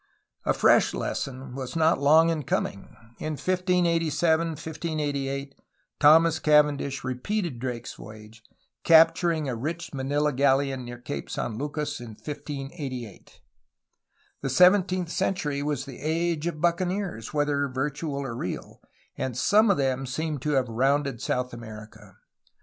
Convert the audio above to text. A fresh lesson was not long in coming. In 1587 1588 Thomas Cavendish repeated Drake's voyage, capturing a rich Manila galleon near Cape San Lucas in 1588. The seventeenth century was the age of buccaneers, whether virtual or real, and some of them seem to have rounded South America.